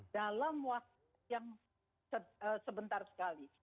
dalam waktu yang sebentar sekali